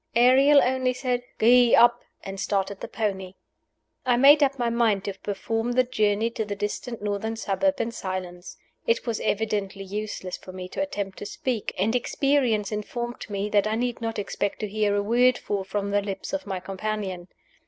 Ariel only said "Gee up!" and started the pony. I made up my mind to perform the journey to the distant northern suburb in silence. It was evidently useless for me to attempt to speak, and experience informed me that I need not expect to hear a word fall from the lips of my companion.